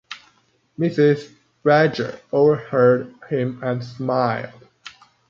Mrs. Badger overheard him and smiled.